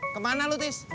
kemana lu tis